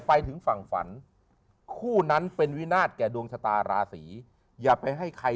ไปถึงฝั่งฝันคู่นั้นเป็นวินาศแก่ดวงชะตาราศีอย่าไปให้ใคร